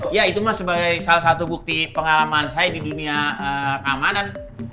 ya itu mas sebagai salah satu bukti pengalaman saya di dunia keamanan